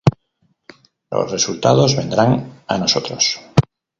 Los resultados vendrán a nosotros.